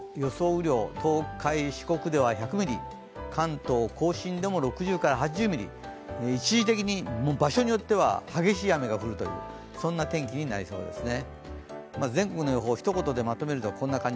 雨量、東海、四国では１００ミリ、関東甲信でも６０８０ミリ、一時的に、場所によっては激しい雨が降るというそんな天気になりそうですね。